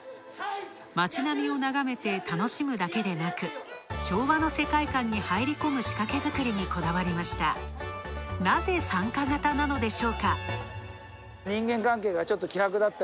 町並みを眺めて楽しむだけでなく、昭和の世界観に入り込む仕掛け作りにこだわりました。